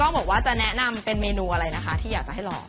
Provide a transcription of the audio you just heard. บอกว่าจะแนะนำเป็นเมนูอะไรนะคะที่อยากจะให้ลอง